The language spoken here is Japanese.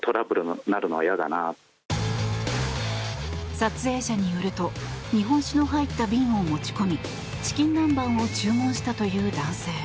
撮影者によると日本酒の入った瓶を持ち込みチキン南蛮を注文したという男性。